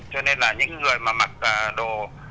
cho nên là những người mà mặc đồ